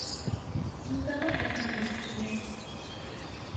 Yuba ad d-iqelleb fell-ak.